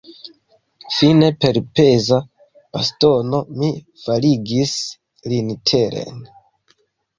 Fine per peza bastono mi faligis lin teren.